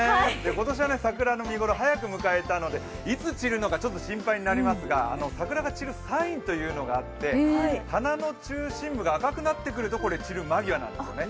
今年は桜の見頃早く迎えたのでいつ散るのか心配になりますが桜が散るサインというのがあって、花の中心部が赤くなってくるとこれ散る間際なんですね。